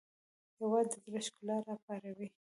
هېواد د زړه ښکلا راپاروي.